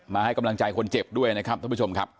ให้กำลังใจคนเจ็บด้วยนะครับท่านผู้ชมครับ